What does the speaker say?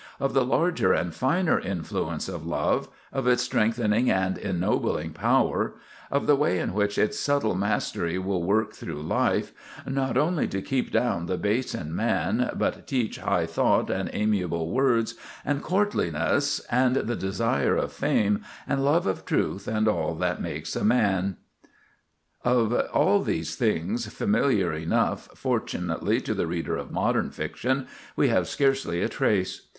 Of the larger and finer influence of love; of its strengthening and ennobling power; of the way in which its subtle mastery will work through life,— "Not only to keep down the base in man, But teach high thought, and amiable words, And courtliness, and the desire of fame, And love of truth, and all that makes a man,"— of all these things, familiar enough, fortunately, to the reader of modern fiction, we have scarcely a trace.